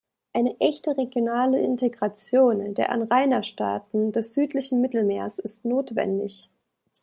Eine echte regionale Integration der Anrainerstaaten des südlichen Mittelmeers ist notwendig.